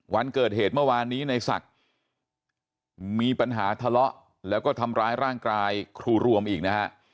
วันเกิดเหตุเมื่อวานนี้ในศักดิ์มีปัญหาทะเลาะแล้วก็ทำร้ายร่างกายครูรวมอีกนะฮะ